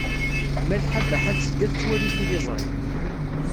Malḥa Baḥa tezga tettwali tiliẓri.